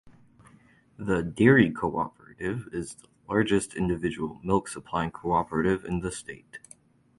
The dairy cooperative is the largest individual milk supplying cooperative in the state.